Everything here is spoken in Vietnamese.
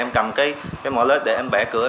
em cầm cái mở lớp để em bẻ cửa